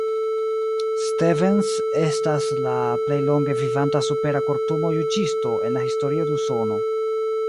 Stevens estas la plej longe vivanta Supera-Kortumo-juĝisto en la historio de Usono.